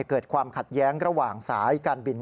เกิดความขัดแย้งระหว่างสายการบิน